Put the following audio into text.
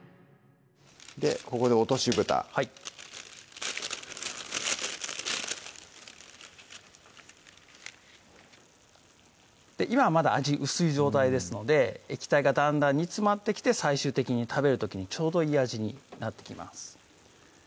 ここで落としぶたはい今はまだ味薄い状態ですので液体がだんだん煮詰まってきて最終的に食べる時にちょうどいい味になってきます